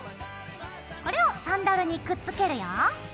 これをサンダルにくっつけるよ。